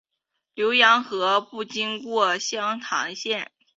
浏阳河并不经过湘潭县。